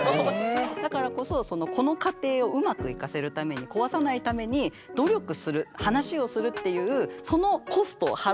だからこそこの家庭をうまくいかせるために壊さないために努力する話をするっていうそのコストを払えない人とは無理なんだって。